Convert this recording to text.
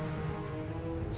saya bisa berpendidikan tinggi